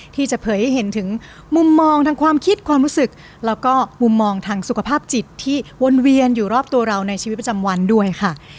เผยให้เห็นถึงมุมมองทางความคิดความรู้สึกแล้วก็มุมมองทางสุขภาพจิตที่วนเวียนอยู่รอบตัวเราในชีวิตประจำวันด้วยค่ะ